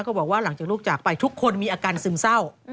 บอกว่าหลังจากลูกจากไปทุกคนมีอาการซึมเศร้า